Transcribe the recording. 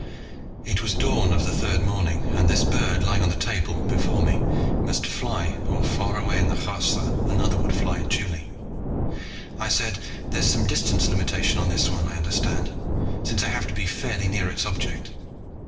It was dawn of the third morning, and this bird lying on the table before me must fly or, far away in the Kharsa, another would fly at Juli. I said, "There's some distance limitation on this one, I understand, since I have to be fairly near its object.